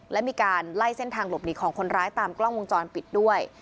และมีการไล่เส้นทางหลบหนีของคนร้ายตามกล้องวงจรปิดด้วย